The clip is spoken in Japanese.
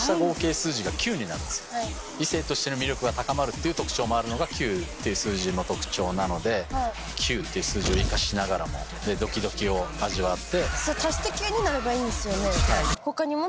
ていう特徴もあるのが９っていう数字の特徴なので９っていう数字を生かしながらもドキドキを味わって。